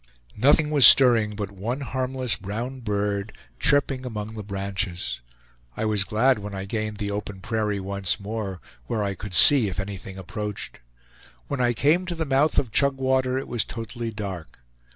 Nothing was stirring but one harmless brown bird, chirping among the branches. I was glad when I gained the open prairie once more, where I could see if anything approached. When I came to the mouth of Chugwater, it was totally dark.